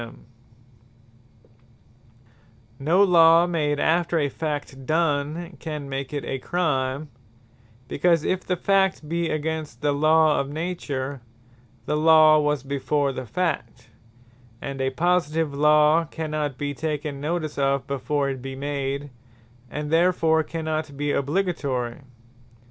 Nothing Can Be Made A Crime By A Law Made After The Fact No Law, made after a Fact done, can make it a Crime: because if the Fact be against the Law of Nature, the Law was before the Fact; and a Positive Law cannot be taken notice of, before it be made; and therefore cannot be Obligatory.